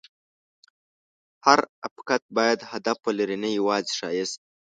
هر افکت باید هدف ولري، نه یوازې ښایست.